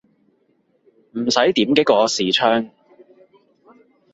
唔使點擊個視窗